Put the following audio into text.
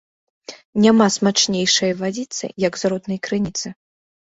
Няма смачнейшай вадзіцы, як з роднай крыніцы